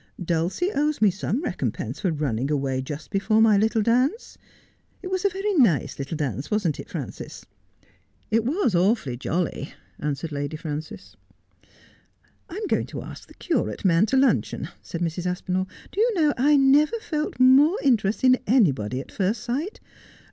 Dulcie owes me some recompense for running away just before my little dance. It was a very nice little dance, wasn't it, Frances 1 ' c It was awfully jolly,' answered Lady Frances. ' I am going to ask the curate man to luncheon,' said Mrs. Aspinall. ' Do you know I never felt more interest in any body at first sight.